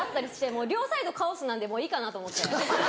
もう両サイドカオスなんでもういいかなと思って。